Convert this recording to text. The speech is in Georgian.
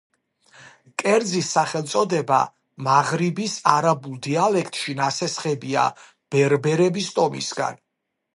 კერძის სახელწოდება მაღრიბის არაბულ დიალექტში ნასესხებია ბერბერების ტომისგან.